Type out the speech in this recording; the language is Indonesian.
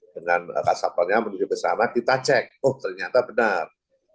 dengan resapelnya menuju ke sana kita cek oh ternyata benar